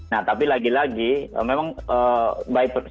nah tapi lagi lagi memang baik persoalan